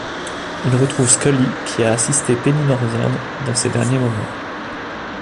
Il retrouve Scully, qui a assisté Penny Northern dans ses derniers moments.